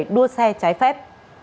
và xe trái phép